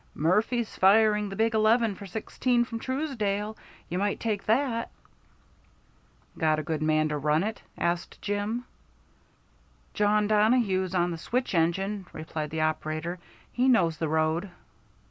"Murphy's firing the big eleven for sixteen from Truesdale. You might take that." "Got a good man to run it?" asked Jim. "Jawn Donohue's on the switch engine," replied the operator. "He knows the road."